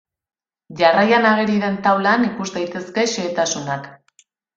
Jarraian ageri den taulan ikus daitezke xehetasunak.